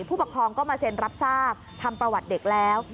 ผู้ปกครองก็มาเซ็นรับทราบทำประวัติเด็กแล้ว